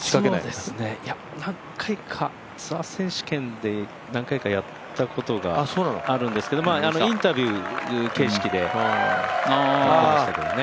何回か、ツアー選手権で何回かやったことがあるんですけどインタビュー形式でやってましたけどね。